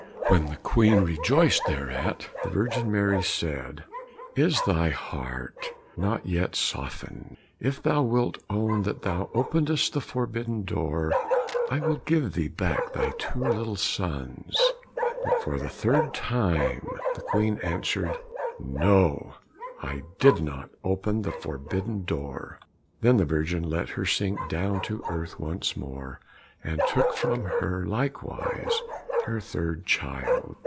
When the Queen rejoiced thereat, the Virgin Mary said, "Is thy heart not yet softened? If thou wilt own that thou openedst the forbidden door, I will give thee back thy two little sons." But for the third time the Queen answered, "No, I did not open the forbidden door." Then the Virgin let her sink down to earth once more, and took from her likewise her third child.